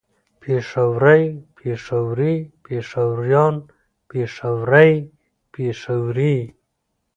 پېښوری پېښوري پېښوريان پېښورۍ پېښورې